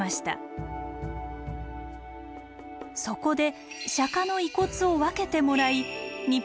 そこで釈の遺骨を分けてもらい日本に帰国後